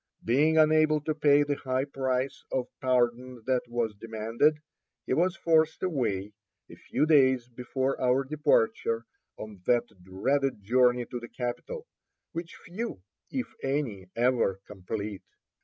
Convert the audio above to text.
Being unable to pay the high price of pardon that was demanded, he was forced away, a few days before our departure, on that dreaded journey to the capital, which few, if any, ever complete.